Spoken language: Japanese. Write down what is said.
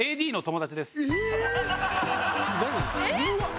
何？